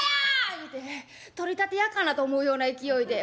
言うて取り立て屋かなと思うような勢いで。